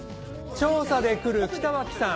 調査で来る北脇さん